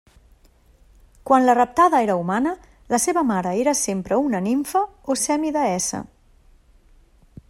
Quan la raptada era humana, la seva mare era sempre una nimfa o semideessa.